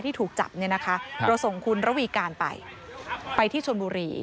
ถูกจับเนี่ยนะคะเราส่งคุณระวีการไปไปที่ชนบุรี